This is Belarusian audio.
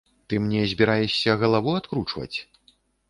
Ты мне збіраешся галаву адкручваць?